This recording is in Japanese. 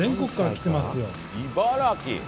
茨城！